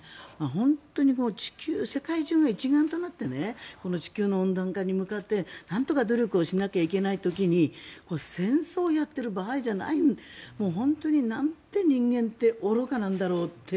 本当に地球、世界中が一丸となってこの地球の温暖化に向かってなんとか努力をしないといけない時に戦争をやっている場合じゃない本当になんて人間って愚かなんだろうって